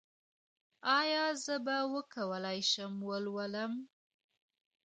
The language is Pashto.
ایا زه به وکولی شم ولولم؟